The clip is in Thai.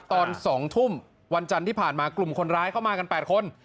ตอน๒ทุ่มวันจันทร์ที่ผ่านมากลุ่มคนร้ายเข้ามากัน๘คน